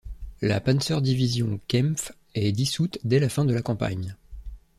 La Panzer-Division Kempf est dissoute dès la fin de la campagne.